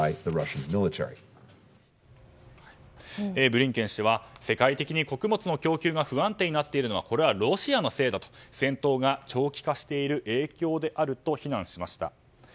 ブリンケン氏は世界的に穀物の供給が不安定になっているのはロシアのせいだと戦闘が長期化している影響であると非難しました。